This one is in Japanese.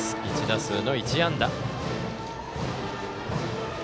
１打数の１安打。